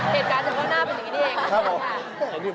เหตุการณ์เฉพาะหน้าเป็นอย่างนี้เอง